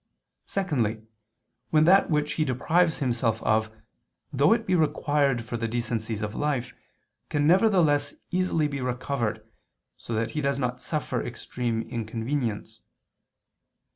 Secondly, when that which he deprives himself of, though it be required for the decencies of life, can nevertheless easily be recovered, so that he does not suffer extreme inconvenience.